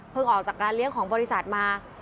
ออกจากงานเลี้ยงของบริษัทมา